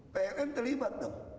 pln terlibat dong